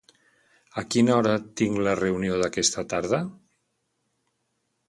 A quina hora tinc la reunió d'aquesta tarda?